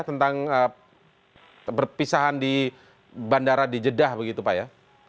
tentang przepisahan bandara di jeddah begitu pak ya